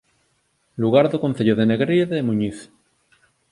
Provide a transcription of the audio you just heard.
Lugar do Concello de Negueira de Muñiz